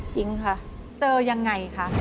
จริงค่ะเจอยังไงคะ